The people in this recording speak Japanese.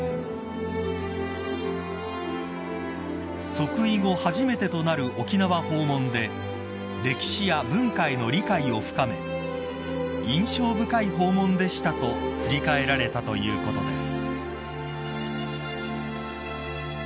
［即位後初めてとなる沖縄訪問で歴史や文化への理解を深め「印象深い訪問でした」と振り返られたということです］